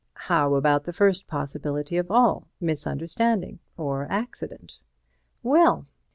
"How about the first possibility of all, misunderstanding or accident?" "Well!